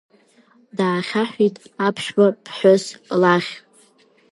Даахьаҳәит аԥшәма ԥҳәыс лахь.